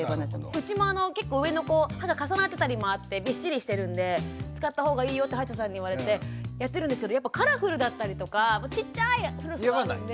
うちも結構上の子歯が重なってたりもあってビッシリしてるんで「使ったほうがいいよ」って歯医者さんに言われてやってるんですけどカラフルだったりとかちっちゃいフロスもあるんで。